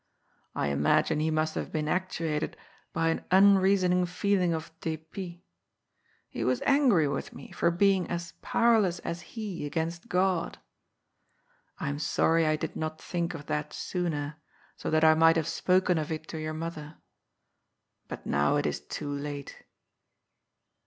I imagine he must have been actuated by an unreasoning feeling of d6pit. He was angry with me for being as powerless as he against God. I am sorry I did not think of that sooner, so that I might have spoken of it to your mother. But now it is too late."